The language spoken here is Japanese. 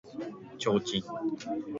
提灯